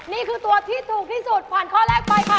นี่คือตัวที่ถูกที่สุดผ่านข้อแรกไปค่ะ